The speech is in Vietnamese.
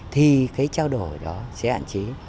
thì cái trao đổi đó sẽ hạn chế